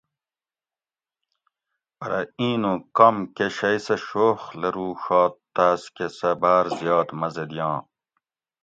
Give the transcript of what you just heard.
پرہ ایں نوں کم کہ شئ سہ شوخ لروڛات تاۤسکہ سہۤ باۤر زیات مزہ دیاں